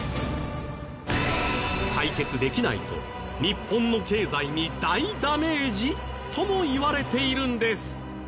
解決できないと日本の経済に大ダメージ！？ともいわれているんです。